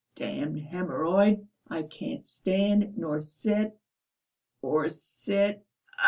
A damned hæmorrhoid, I can't stand nor sit ... or sit.